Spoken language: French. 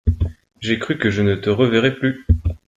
J’ai cru que je ne te reverrais plus !…